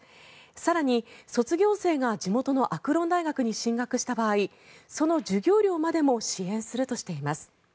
更に、卒業生が地元のアクロン大学に進学した場合その授業料までも支援するとしています。